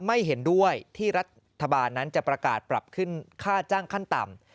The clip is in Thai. ไม่เห็นด้วยที่รัฐบาลนั้นจะประกาศปรับขึ้นค่าจ้างขั้นต่ำ